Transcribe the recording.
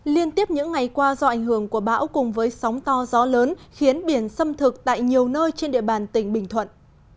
liên tiếp những ngày qua do ảnh hưởng của bão cùng với sóng to gió lớn khiến biển xâm thực tại nhiều nơi trên địa bàn tỉnh bình thuận